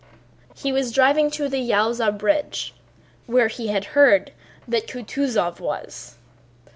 He was driving to the Yaúza bridge where he had heard that Kutúzov was.